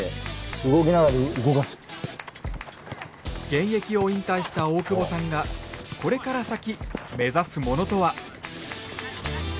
現役を引退した大久保さんがこれから先目指すものとは？